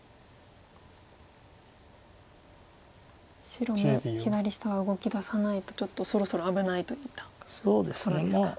白も左下は動きださないとちょっとそろそろ危ないと見たところですか。